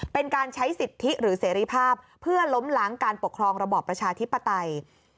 เป็นการใช้สิทธิหรือเสรีภาพเพื่อล้มล้างการปกครองระบอบประชาธิปไตย